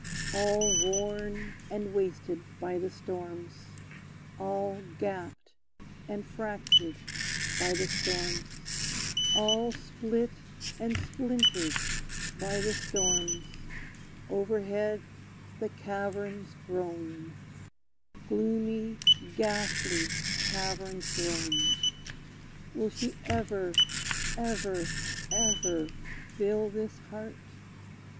All worn and wasted by the storms, All gapped and fractured by the storms, All split and splintered by the storms, Overhead the caverns groan, Gloomy, ghastly caverns groan! Will she ever, ever, ever fill this heart?